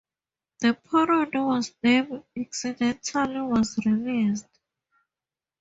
The parody was named "Accidentally Was Released".